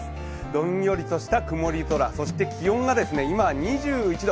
どんよりとした曇り空、そして気温が今、２１度。